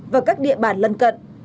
và các địa bàn lân cận